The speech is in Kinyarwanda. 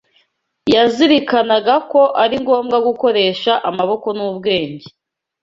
Yazirikanaga ko ari ngombwa gukoresha amaboko n’ubwenge